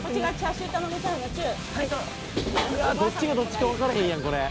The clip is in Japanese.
「うわどっちがどっちかわからへんやんこれ」